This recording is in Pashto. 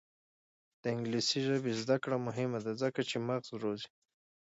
د انګلیسي ژبې زده کړه مهمه ده ځکه چې مغز روزي.